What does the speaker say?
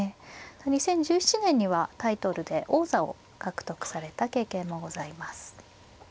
２０１７年にはタイトルで王座を獲得された経験もございます。